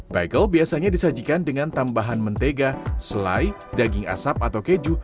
bagel biasanya disajikan dengan tambahan mentega selai daging asap atau keju